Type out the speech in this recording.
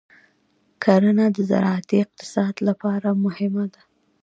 کرنه د زراعتي اقتصاد لپاره مهمه ده.